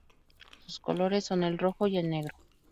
Sus colores son el rojo y el negro.